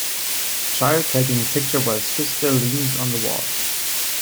Child taking a picture while sister leans on the wall.